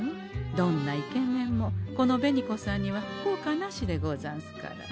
どんなイケメンもこの紅子さんには効果なしでござんすから。